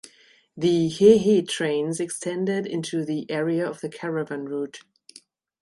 The Hehe trains extended into the area of the caravan route.